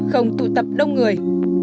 không tụ tập đông người